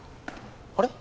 あれ？